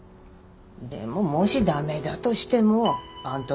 でももし駄目だとしてもあんだ